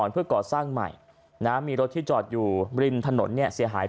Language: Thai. เพื่อก่อสร้างใหม่มีรถที่จอดอยู่ริมถนนเนี่ยเสียหาย